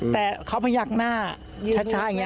แต่เค้าแยกหน้าชัดชาย